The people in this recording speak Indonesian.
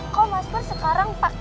kok mas pur sekarang pakai a'a